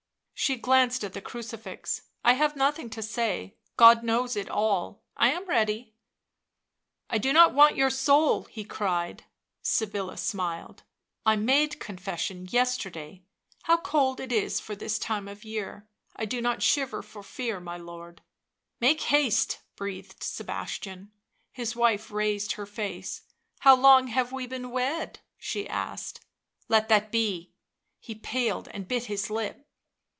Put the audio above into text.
She glanced at the crucifix. " I have nothing to say; God knows it all. I am ready." " I do not want your soul," he cried. Sybilla smiled. " I made confession yesterday. How cold it is for this time of the year !— I do not shiver for fear, my lord." " Make haste," breathed Sebastian. His wife raised her face. " How long have we been wed ?" she asked. " Let that be." He paled and bit his lip.